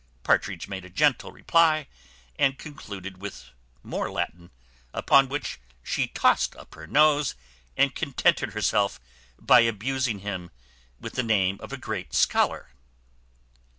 Partridge made a gentle reply, and concluded with more Latin; upon which she tossed up her nose, and contented herself by abusing him with the name of a great scholar.